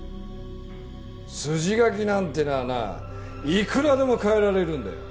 筋書きなんてのはないくらでも変えられるんだよ。